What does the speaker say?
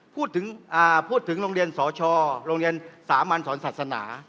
พูดถึงพูดถึงโรงเรียนสชโรงเรียนสามัญสอนศาสนา